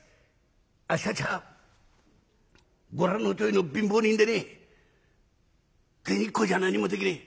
あっしたちはご覧のとおりの貧乏人でね銭っこじゃ何にもできねえ。